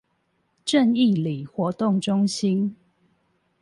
正義里活動中心